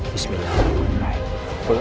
tetapi saya miserable